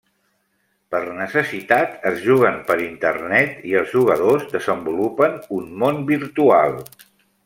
Per necessitat, es juguen per Internet, i els jugadors desenvolupen un món virtual.